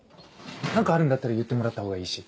何かあるんだったら言ってもらったほうがいいし。